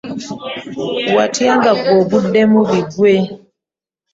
Watya nga ggwe oguddemu bigwe.